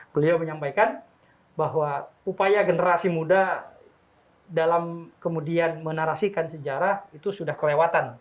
beliau menyampaikan bahwa upaya generasi muda dalam kemudian menarasikan sejarah itu sudah kelewatan